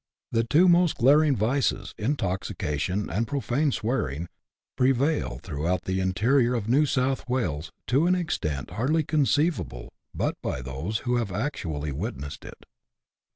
The two most glaring vices, intoxication and profane swearing, prevail throughout the interior of New South Wales to an extent hardly conceivable but by those who have actually witnessed it.